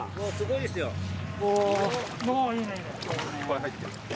いっぱい入ってる。